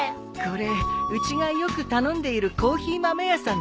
これうちがよく頼んでいるコーヒー豆屋さんだよ。